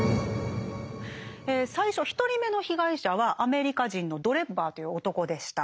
最初１人目の被害者はアメリカ人のドレッバーという男でした。